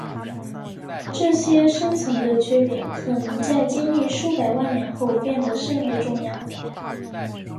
这些深层的缺点可能在经历数百万年后变得甚为重要。